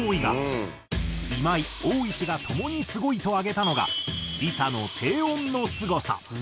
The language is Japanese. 今井オーイシがともにすごいと挙げたのがＬｉＳＡの低音のすごさ。